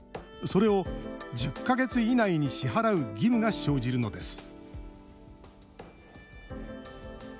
それを１０か月以内に支払う義務が生じるのです